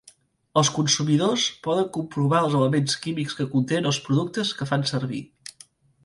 Els consumidors poden comprovar els elements químics que contenen els productes que fan servir.